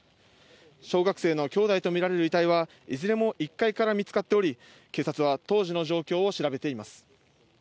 小学生の兄弟と見られる遺体はいずれも１階から見つかっており、警察は当時の状況を調べています。